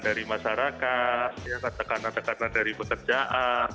dari masyarakat tekanan tekanan dari pekerjaan